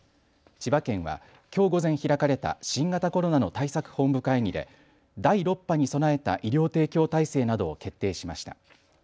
千葉県は、きょう午前開かれた新型コロナの対策本部会議で第６波に備えた医療提供体制などを決定しました。